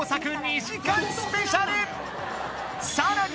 さらに